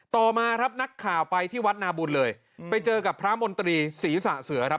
ต่อมาครับนักข่าวไปที่วัดนาบุญเลยไปเจอกับพระมนตรีศรีษะเสือครับ